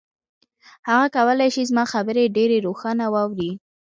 هغه کولای شي زما خبرې ډېرې روښانه واوري.